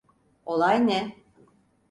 Olay ne?